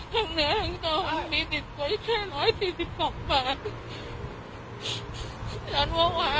ทั้งนี้แล้วก็มีติดไว้แค่ร้อยสี่สิบสองบาท